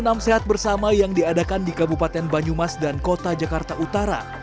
nam sehat bersama yang diadakan di kabupaten banyumas dan kota jakarta utara